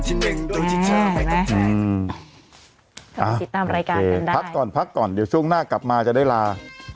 เห็นมั้ยอืมพักก่อนเดี๋ยวช่วงหน้ากลับมาจะได้ลา